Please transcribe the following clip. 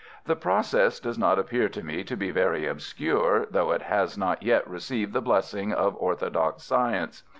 The process does not appear to me to be very obscure, though it has not yet received the blessing of orthodox science.